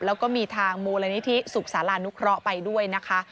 แล้วก็มีทางมูลนิธิสุขศาลานุเคราะห์ไปด้วยนะคะ